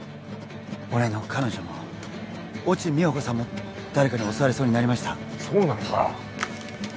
俺の彼女も越智美穂子さんも誰かに襲われそうになりましたそうなのか？